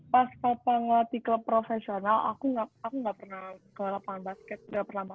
pas papa ngelatih klub profesional aku gak pernah ke lapangan basket gak pernah mau